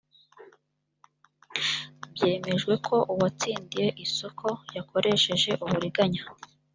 byemejwe ko uwatsindiye isoko yakoresheje uburiganya